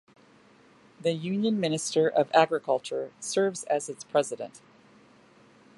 The Union Minister of Agriculture serves as its president.